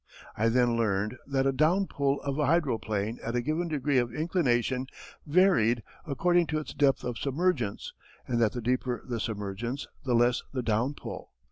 I then learned that a down pull of a hydroplane at a given degree of inclination varied according to its depth of submergence and that the deeper the submergence, the less the down pull.